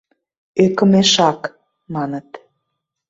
Ӧкымешак! — маныт.